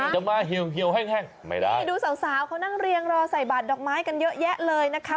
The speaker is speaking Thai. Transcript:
จะมาเหี่ยวแห้งไม่ได้นี่ดูสาวสาวเขานั่งเรียงรอใส่บาดดอกไม้กันเยอะแยะเลยนะคะ